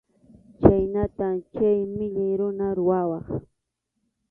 Chhaynatam chay millay runa rurawaq.